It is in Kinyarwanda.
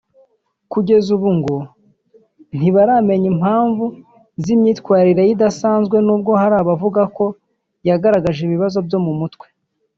Kugeza ubu ngo ntibaramenya impamvu z’imyitwarire ye idasanzwe nubwo hari abavuga ko yagaragaje ibibazo byo mu mutwe